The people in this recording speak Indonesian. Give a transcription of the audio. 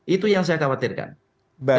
itu yang saya khawatirkan